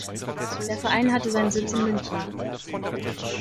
Der Verein hatte seinen Sitz in München.